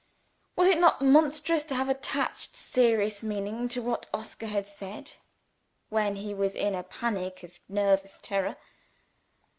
Was it not monstrous to have attached serious meaning to what Oscar had said when he was in a panic of nervous terror!